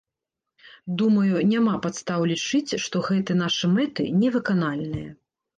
Думаю, няма падстаў лічыць, што гэты нашы мэты невыканальныя.